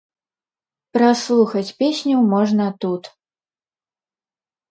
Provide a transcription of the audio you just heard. Праслухаць песню можна тут.